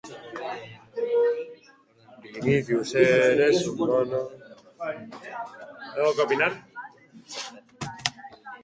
Hala, horma erabat erregularra lortzen da.